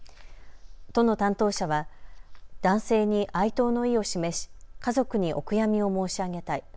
都の担当者は男性に哀悼の意を示し家族にお悔やみを申し上げたい。